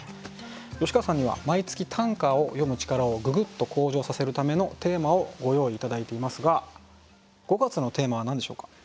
吉川さんには毎月短歌を詠む力をググッと向上させるためのテーマをご用意頂いていますが５月のテーマは何でしょうか？